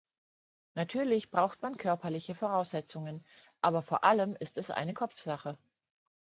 Natürlich braucht man körperliche Voraussetzungen, aber vor allem ist es eine Kopfsache.